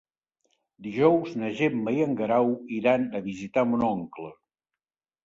Dijous na Gemma i en Guerau iran a visitar mon oncle.